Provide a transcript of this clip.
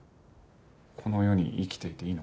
この世に生きていていいのかな？